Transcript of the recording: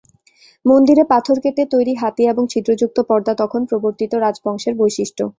মন্দিরে পাথর কেটে তৈরি হাতি এবং ছিদ্রযুক্ত পর্দা তখন প্রবর্তিত রাজবংশের বৈশিষ্ট্য।